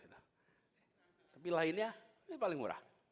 tapi lainnya ini paling murah